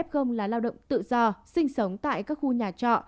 các cơ sở giáo dục tự do sinh sống tại các khu nhà trọ